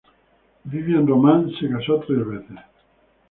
Viviane Romance se casó tres veces.